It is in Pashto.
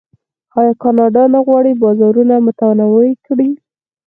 آیا کاناډا نه غواړي بازارونه متنوع کړي؟